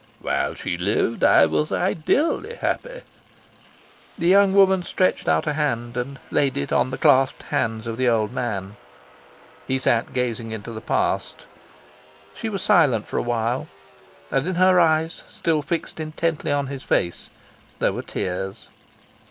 "While she lived, I was ideally happy." The young woman stretched out a hand, and laid it on the clasped hands of the old man. He sat gazing into the past. She was silent for a while; and in her eyes, still fixed intently on his face, there were tears.